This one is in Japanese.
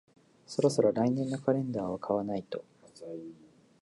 そろそろ来年のカレンダーを買わないと